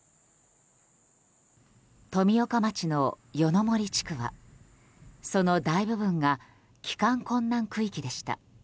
富岡町の夜の森地区はその大部分が帰還困難区域でした。